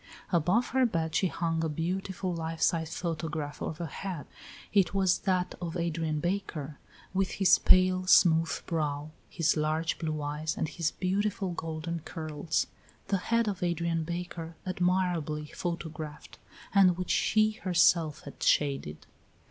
Above her bed she hung a beautiful life size photograph of a head. It was that of Adrian Baker, with his pale, smooth brow, his large blue eyes and his beautiful golden curls the head of Adrian Baker admirably photographed, and which she herself had shaded.